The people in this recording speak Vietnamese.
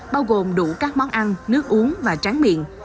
bao gồm đủ các món ăn nước uống và tráng miệng